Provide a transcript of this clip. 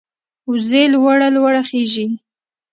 وزې لوړه لوړه خېژي